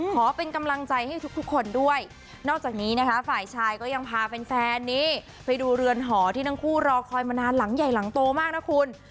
ขอเป็นกำลังใจให้ทุกคนด้วยนอกจากนี้นะคะฝ่ายชายก็ยังพาแฟนนี้ไปดูเรือนหอที่ทั้งคู่รอคอยมานานหลังใหญ่หลังโตมากนะคุณ